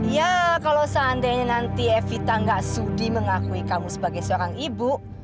ya kalau seandainya nanti evita nggak sudi mengakui kamu sebagai seorang ibu